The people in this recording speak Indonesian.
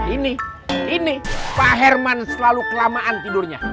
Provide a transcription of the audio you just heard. ini ini pak herman selalu kelamaan tidurnya